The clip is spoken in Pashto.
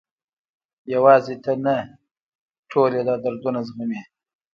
یوازې ته نه، ټول یې دا دردونه زغمي.